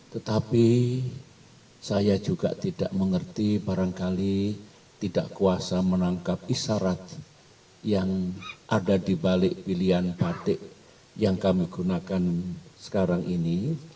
tetapi saya juga tidak mengerti barangkali tidak kuasa menangkap isyarat yang ada di balik pilihan batik yang kami gunakan sekarang ini